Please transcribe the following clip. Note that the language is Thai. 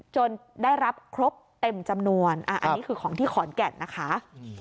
ได้รับครบเต็มจำนวนอันนี้คือของที่ขอนแก่นนะคะ